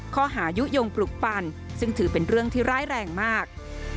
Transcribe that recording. ยุโยงปลุกปั่นซึ่งถือเป็นเรื่องที่ร้ายแรงมาก